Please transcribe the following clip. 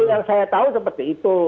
yang saya tahu seperti itu